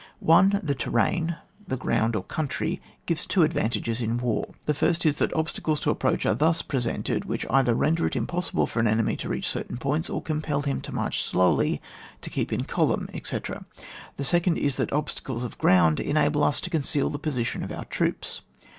1. The terrain (the ground or country) gives two advantages in war. The first is, that obstacles to approach are thus presented which either render it impossible for an enemy to reach certain points, or compel him to march slowly^ to keep in column, etc. The second is, that obstacles of ground enable us to conceal the position of our troops.